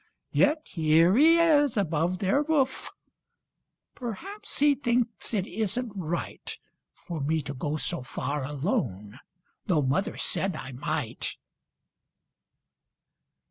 Yet here he is above their roof; Perhaps he thinks it isn't right For me to go so far alone, Tho' mother said I might.